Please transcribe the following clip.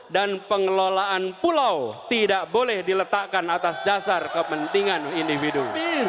dan pengelolaan pulau tidak boleh diletakkan atas dasar kepentingan individu